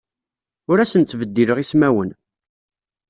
Ur asen-ttbeddileɣ ismawen.